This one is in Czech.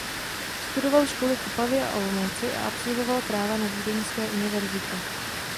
Studoval školy v Opavě a Olomouci a absolvoval práva na Vídeňské univerzitě.